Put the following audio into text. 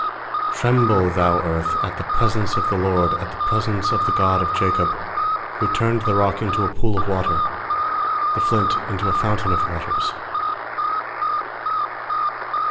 7Tremble, thou earth, at the pres ence of the Lord, At the presence of the God of Jacob ; 8Who turned the rock into a pool of water, The flint into a fountain of waters.